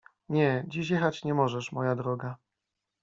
— Nie, dziś jechać nie możesz, moja droga.